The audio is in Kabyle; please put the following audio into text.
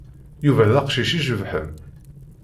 Yuba d aqcic icebḥen.